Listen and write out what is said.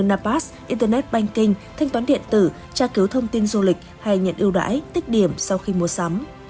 napas internet banking thanh toán điện tử tra cứu thông tin du lịch hay nhận ưu đãi tích điểm sau khi mua sắm